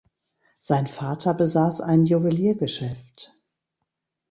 Sein Vater besaß ein Juweliergeschäft.